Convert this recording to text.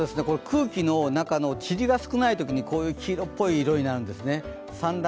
空気の中の霧が少ないときにこういう黄色っぽい色になるんですね。